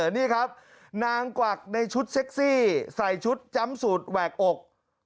นี่ครับนางกวักในชุดเซ็กซี่ใส่ชุดจำสูตรแหวกอก